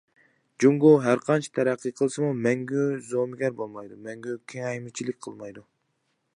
جۇڭگو ھەرقانچە تەرەققىي قىلسىمۇ مەڭگۈ زومىگەر بولمايدۇ، مەڭگۈ كېڭەيمىچىلىك قىلمايدۇ.